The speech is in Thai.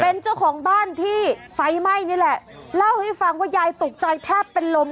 เป็นเจ้าของบ้านที่ไฟไหม้นี่แหละเล่าให้ฟังว่ายายตกใจแทบเป็นลม